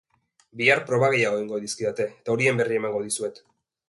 Bihar proba gehiago egingo dizkidate eta horien berri emango dizuet.